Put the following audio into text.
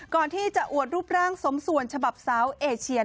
ก่อนที่จะอวดรูปร่างสมส่วนฉบับสาวเอเชียน